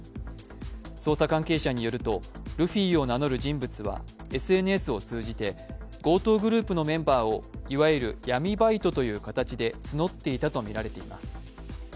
捜査関係者によると、ルフィを名乗る人物はＳＮＳを通じて強盗グループのメンバーをいわゆる闇バイトという形で募っていたとみられています。